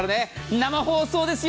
生放送ですよ。